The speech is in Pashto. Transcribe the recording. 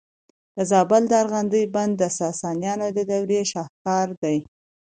د زابل د ارغنداب بند د ساساني دورې شاهکار دی